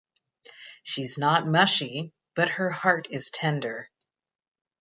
She's not mushy, but her heart is tender.